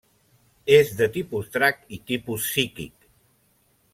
És de tipus drac i tipus psíquic.